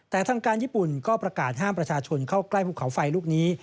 แต่ทางการญี่ปุ่นก็ประกาศห้ามประชาชนเข้าใกล้ภูเขาไฟลูกนี้